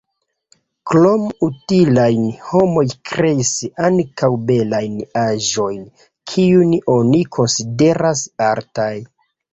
Krom utilajn, homoj kreis ankaŭ belajn aĵojn, kiujn oni konsideras artaj.